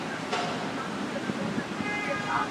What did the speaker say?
بار به دي په شا کم، توان به دي تر ملا کم.